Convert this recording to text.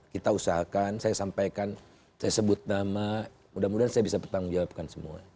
kita usahakan saya sampaikan saya sebut nama mudah mudahan saya bisa bertanggung jawabkan semua